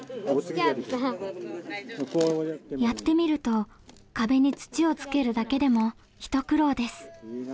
やってみると壁に土をつけるだけでも一苦労です。